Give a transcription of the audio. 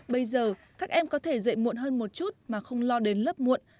bây giờ các em có thể dạy muộn hơn một chút mà không lo đến lớp muộn